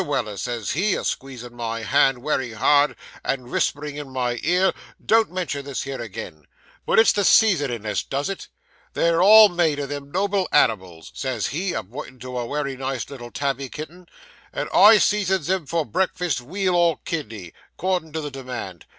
Weller," says he, a squeezing my hand wery hard, and vispering in my ear "don't mention this here agin but it's the seasonin' as does it. They're all made o' them noble animals," says he, a pointin' to a wery nice little tabby kitten, "and I seasons 'em for beefsteak, weal or kidney, 'cording to the demand.